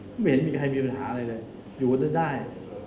ไม่เห็นมีใครมีปัญหาอะไรเลยอยู่กันได้